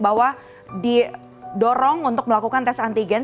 bahwa didorong untuk melakukan tes antigen